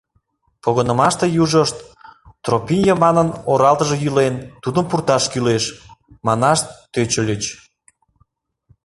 Погынымаште южышт «Тропин Йыванын оралтыже йӱлен, тудым пурташ кӱлеш», — манаш тӧчыльыч.